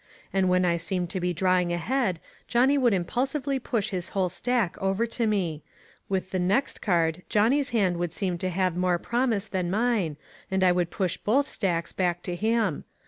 And when I seemed to be drawing ahead Johnny would impulsively push his whole stack over to me ; with the next card Johnny's, hand would seem to have more promise than mine, and I would push both stacks back to him.